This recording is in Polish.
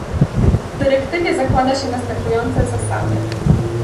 W dyrektywie zakłada się następujące zasady